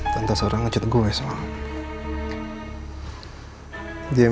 tante seorang ngechat gue semalam